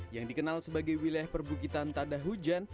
yang dikenal sebagai wilayah perbukitan tada hujan